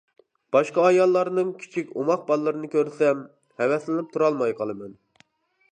باشقا ئاياللارنىڭ كىچىك ئوماق بالىلىرىنى كۆرسەم، ھەۋەسلىنىپ تۇرالماي قالىمەن.